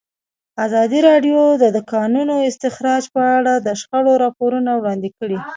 ازادي راډیو د د کانونو استخراج په اړه د شخړو راپورونه وړاندې کړي.